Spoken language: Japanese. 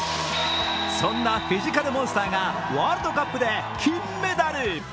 そんなフィジカルモンスターがワールドカップで金メダル。